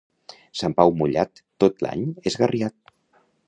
Sant Pau mullat, tot l'any esgarriat.